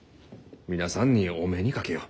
皆さんにお目にかけよう。